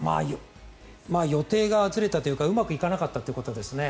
予定がずれたというかうまくいかなかったということですね。